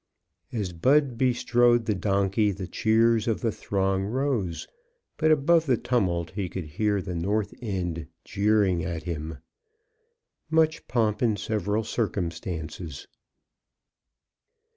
As Bud bestrode the donkey the cheers of the throng rose, but above the tumult he could hear the North End jeering at him. _Much Pomp and Several Circumstances.